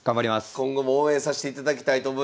今後も応援さしていただきたいと思います。